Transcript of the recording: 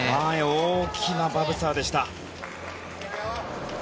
大きなバブサーでした。